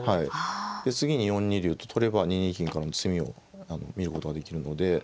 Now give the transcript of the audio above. で次に４二竜と取れば２二金からの詰みを見ることができるので。